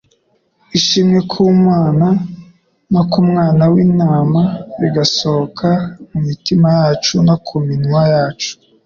Ishimwe ku Mana no ku Mwana w'intama, bigasohoka mu mitima yacu no ku minwa yacu.